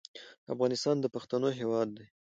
افغانستان د پښتنو هېواد دی.